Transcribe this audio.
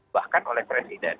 bahkan oleh presiden